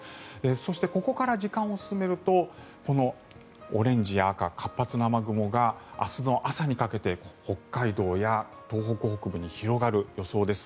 そしてここから時間を進めるとこのオレンジや赤活発な雨雲が明日の朝にかけて北海道や東北北部に広がる予想です。